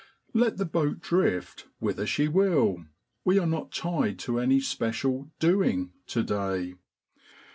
Let the boat drift whither she will, we are not tied to any special ' doing ' to day.